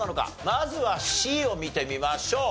まずはＣを見てみましょう。